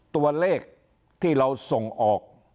ตัวเลขที่เราส่งออก